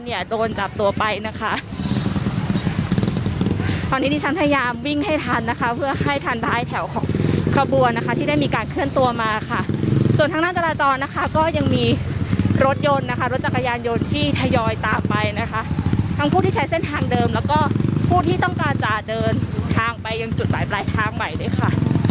เนี่ยโดนจับตัวไปนะคะตอนนี้ที่ฉันพยายามวิ่งให้ทันนะคะเพื่อให้ทันได้แถวของขบวนนะคะที่ได้มีการเคลื่อนตัวมาค่ะส่วนทางด้านจราจรนะคะก็ยังมีรถยนต์นะคะรถจักรยานยนต์ที่ทยอยตามไปนะคะทั้งผู้ที่ใช้เส้นทางเดิมแล้วก็ผู้ที่ต้องการจะเดินทางไปยังจุดหมายปลายทางใหม่ด้วยค่ะ